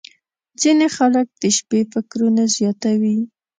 • ځینې خلک د شپې فکرونه زیاتوي.